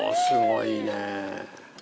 すごいね。